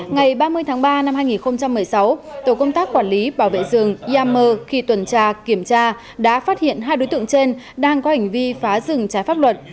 ngày ba mươi tháng ba năm hai nghìn một mươi sáu tổ công tác quản lý bảo vệ rừng yamer khi tuần tra kiểm tra đã phát hiện hai đối tượng trên đang có hành vi phá rừng trái pháp luật